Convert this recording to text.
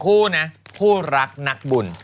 คู่นะคู่รักนักบุญ